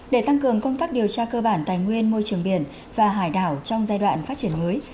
để tăng cường công tác điều tra cơ bản tài nguyên môi trường biển và hải đảo trong giai đoạn phát triển mới